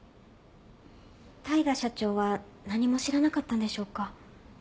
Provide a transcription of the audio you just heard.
大海社長は何も知らなかったんでしょうか？